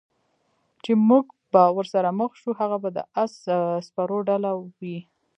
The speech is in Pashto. چې موږ به ورسره مخ شو، هغه به د اس سپرو ډله وي.